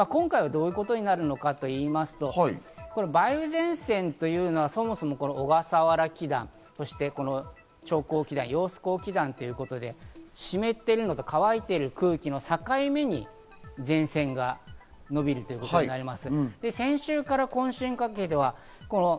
今回、どういうことになるのかといいますと、梅雨前線というのは、そもそも小笠原気団、そしてこの長江気団・揚子江気団ということで湿っているのと乾いている空気の境目に前線が伸びるということになります。